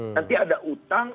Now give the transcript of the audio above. nanti ada utang